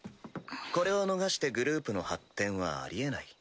これを逃してグループの発展はありえない。